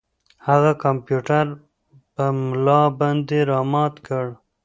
هغه کمپیوټر په ملا باندې را مات کړ.